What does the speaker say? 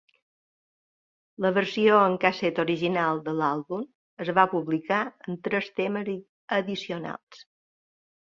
La versió en casset original de l'àlbum es va publicar amb tres temes addicionals.